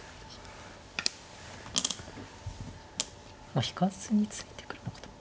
まあ引かずに突いてくるのかと。